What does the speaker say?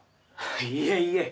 いえいえ。